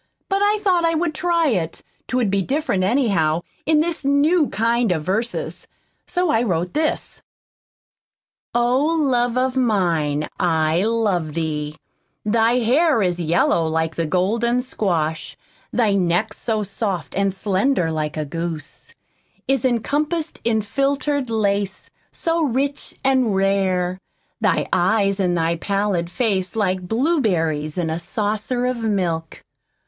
But I thought I would try it 'twould be different, anyhow, in this new kind of verses. So I wrote this: Oh, love of mine, I love Thee. Thy hair is yellow like the Golden squash. Thy neck so soft An' slender like a goose, Is encompassed in filtered lace So rich an' Rare. Thy eyes in thy pallid face like Blueberries in a Saucer of milk.